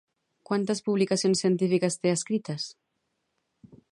Quantes publicacions científiques té escrites?